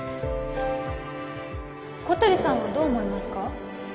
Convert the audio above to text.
小鳥さんはどう思いますか？